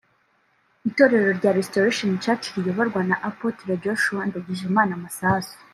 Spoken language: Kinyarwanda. Itorero rya Restoration Church riyoborwa na Apôtre Yoshua Ndagijimana Massasu